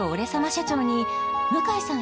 社長に向井さん